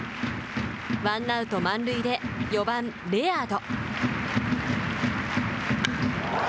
ワンアウト、満塁で４番レアード。